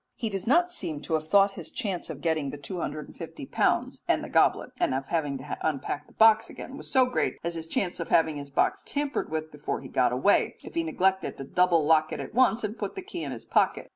He does not seem to have thought his chance of getting the 250 pounds and the goblet, and having to unpack his box again, was so great as his chance of having his box tampered with before he got it away, if he neglected to double lock it at once and put the key in his pocket.